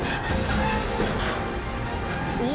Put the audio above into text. お！